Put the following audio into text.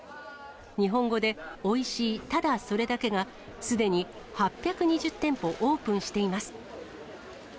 日本語で、おいしい・ただそれだけが、すでに８２０店舗オープンしています。